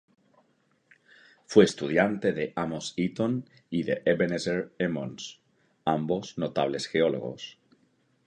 Fue estudiante de Amos Eaton y de Ebenezer Emmons, ambos notables geólogos.